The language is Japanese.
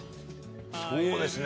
そうですね。